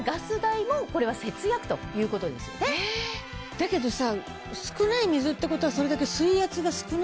だけどさ。